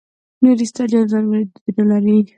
نورستانیان ځانګړي دودونه لري.